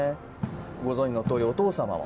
ご存じのとおりお父様